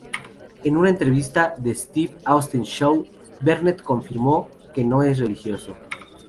En una entrevista en The Steve Austin Show, Barnett confirmó que no es religioso.